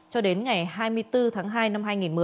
cho đến ngày hai mươi bốn tháng hai năm hai nghìn một mươi chín